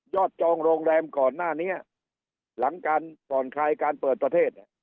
จองโรงแรมก่อนหน้านี้หลังการผ่อนคลายการเปิดประเทศเนี่ย